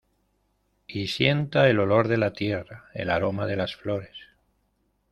Y sienta el olor de la tierra, el aroma de las flores.